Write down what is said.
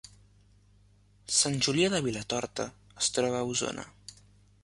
Sant Julià de Vilatorta es troba a Osona